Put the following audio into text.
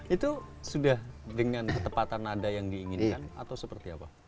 itu sudah dengan ketepatan nada yang diinginkan atau seperti apa